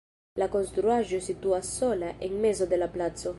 La konstruaĵo situas sola en mezo de la placo.